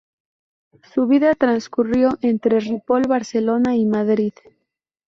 Su vida transcurrió entre Ripoll, Barcelona y Madrid.